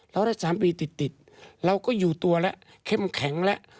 เราได้๓ปีติดเราก็อยู่ตัวแล้วเข้มแข็งแล้ว